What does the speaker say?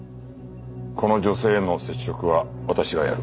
この女性への接触は私がやる。